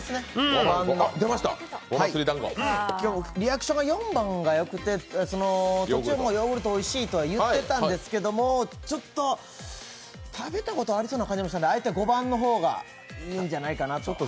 リアクションが４番がよくて途中もヨーグルトおいしいとは言ってたんですけど、ちょっと食べたことありそうな感じもしたのであえて５番の方がいいんじゃないかなと。